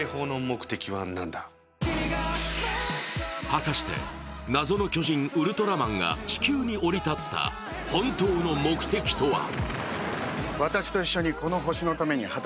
果たして謎の巨人・ウルトラマンが地球に降り立った本当の目的とは？